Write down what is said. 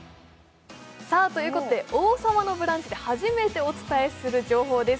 「王様のブランチ」で初めてお伝えする情報です。